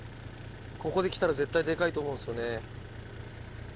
ここできたら絶対でかいと思うんですよね。